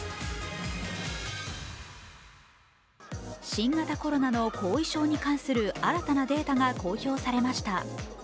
新型コロナの後遺症に関する新たなデータが公表されました。